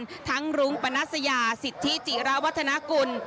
ทั้งรุ้งปนัสยาสิทธิจิระวัฒนากุล